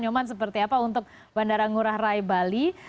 nyoman seperti apa untuk bandara ngurah rai bali